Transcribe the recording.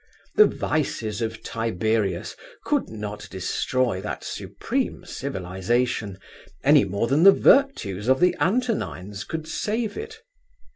The vices of Tiberius could not destroy that supreme civilisation, any more than the virtues of the Antonines could save it.